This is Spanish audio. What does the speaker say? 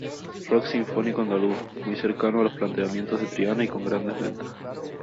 Rock sinfónico andaluz, muy cercano a los planteamientos de Triana, y con grandes ventas.